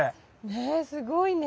ねえすごいね。